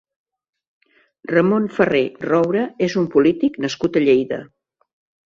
Ramon Farré Roure és un polític nascut a Lleida.